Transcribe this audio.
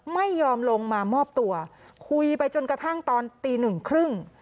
ไม่ยอมลงมามอบตัวคุยไปจนกระทั่งตอนตีหนึ่งครึ่ง